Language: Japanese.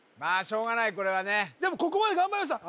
しょうがないこれはねでもここまで頑張りました